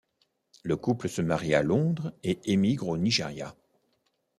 Le couple se marie à Londres et émigre au Nigeria.